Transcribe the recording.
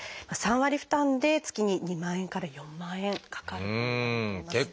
３割負担で月に２万円から４万円かかるといわれています。